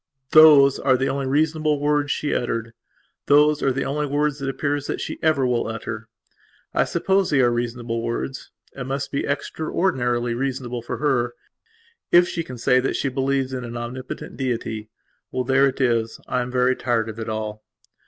Those are the only reasonable words she uttered; those are the only words, it appears, that she ever will utter. I suppose that they are reasonable words; it must be extraordinarily reasonable for her, if she can say that she believes in an Omnipotent Deity. Well, there it is. I am very tired of it all....